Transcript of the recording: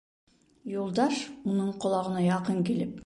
Юлдаш, уның ҡолағына яҡын килеп: